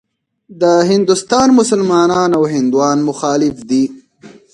د هندوستان مسلمانان او هندوان مخالف دي.